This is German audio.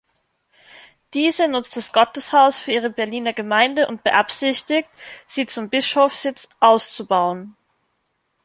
Diese nutzt das Gotteshaus für ihre Berliner Gemeinde und beabsichtigt, sie zum Bischofssitz auszubauen.